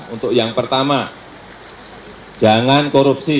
untuk yang pertama jangan korupsi